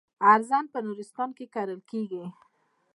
ارزن په نورستان کې کرل کیږي.